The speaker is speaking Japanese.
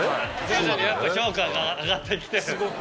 徐々に評価が上がってきてる。